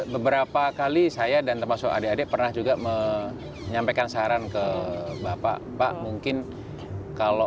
beberapa kali saya dan termasuk adik adik pernah juga menyampaikan saran ke bapak pak mungkin kalau